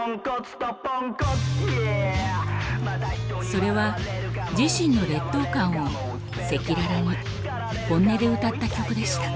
それは自身の劣等感を赤裸々に本音で歌った曲でした。